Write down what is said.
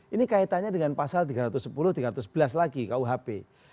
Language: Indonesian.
ini kaitannya dengan pasal tiga ratus sepuluh tiga ratus sebelas lagi kuhp